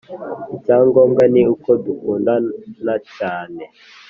icyangombwa ni uko dukundana cyane